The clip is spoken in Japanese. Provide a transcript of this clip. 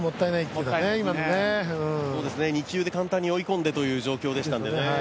２球で簡単に追い込んでという状態でしたのでね。